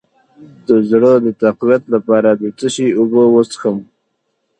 د زړه د تقویت لپاره د څه شي اوبه وڅښم؟